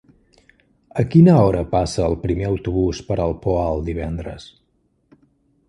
A quina hora passa el primer autobús per el Poal divendres?